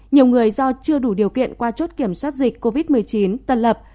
nhiều người do chưa đủ điều kiện qua chốt kiểm soát dịch covid một mươi chín tân lập